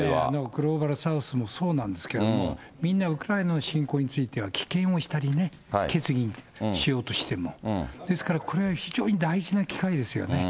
グローバルサウスもそうなんですけれども、みんなウクライナの侵攻については棄権をしたりね、決議しようとしても、ですからこれは非常に大事な機会ですよね。